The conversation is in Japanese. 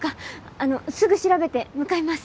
あのすぐ調べて向かいます！